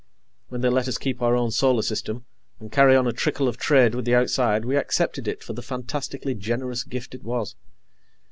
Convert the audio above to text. When they let us keep our own solar system and carry on a trickle of trade with the outside, we accepted it for the fantastically generous gift it was.